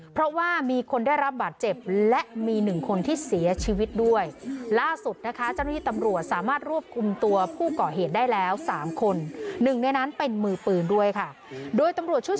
เพราะว่ามีคนได้รับบาดเจ็บและมีหนึ่งคนที่เสียชีวิตด้วย